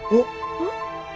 うん？